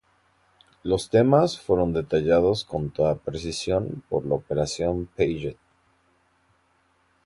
Los temas fueron detallados con toda precisión por la Operación Paget.